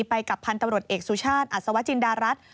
ไปกับพันธุ์ตำรวจเอกสุชาติอัศวจินดารัฐ